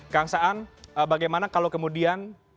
kang saan bagaimana kalau kemudian